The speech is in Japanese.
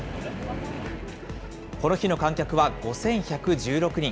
この日の観客は５１１６人。